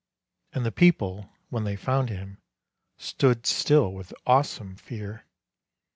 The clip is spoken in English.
And the people, when they found him, Stood still with awesome fear.